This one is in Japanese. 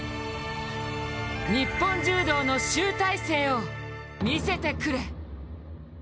日本柔道の集大成を見せてくれ。